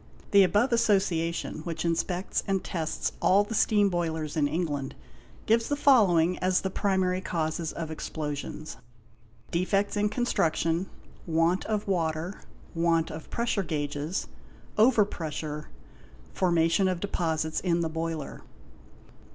The above Association, which inspects and tests all the steam boilers in England, gives the following as the primary causes of explosions: defects in construction, want of water, want of pressure gauges, over pressure, formation of deposits in the boiler.